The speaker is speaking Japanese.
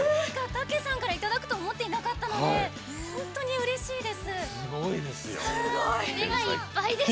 武さんからいただくと思っていなかったので本当にうれしいです。